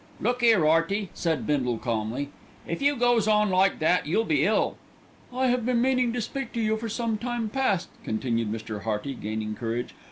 "Look 'ere, 'Earty!" said Bindle calmly, "if you goes on like that, you'll be ill." "I have been meaning to speak to you for some time past," continued Mr. Hearty, gaining courage.